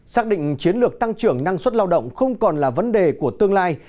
xác định chiến lược tăng trưởng năng suất lao động không còn là vấn đề của tương lai